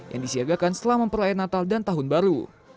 yang disiagakan selama perayaan natal dan tahun baru